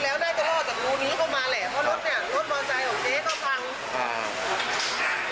แล้วก็ข้างล่างเด็กนักศาเขานั่งเอ็มอยู่ก็เจ็บก็อยู่ตรงนั้นแล้ว